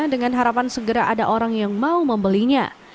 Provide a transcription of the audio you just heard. dengan harapan segera ada orang yang mau membelinya